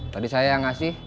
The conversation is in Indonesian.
tadi saya yang ngasih